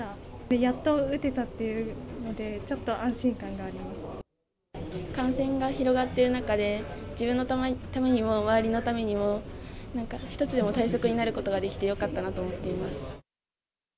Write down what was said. やっと打てたっていうので、感染が広がっている中で、自分のためにも周りのためにも、なんか一つでも対策になることができて、よかったなと思っています。